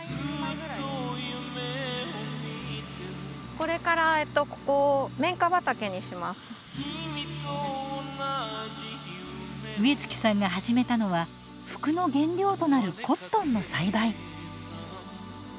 これから植月さんが始めたのは服の原料となるコットンの栽培。